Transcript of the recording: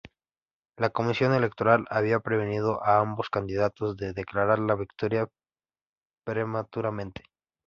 La comisión electoral había prevenido a ambos candidatos de declarar la victoria prematuramente.